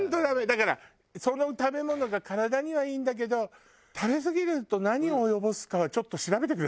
だからその食べ物が体にはいいんだけど食べすぎると何を及ぼすかはちょっと調べてくださいね